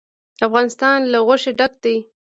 افغانستان له غوښې ډک دی.